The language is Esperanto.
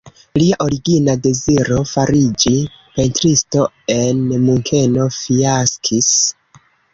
Lia origina deziro, fariĝi pentristo en Munkeno, fiaskis.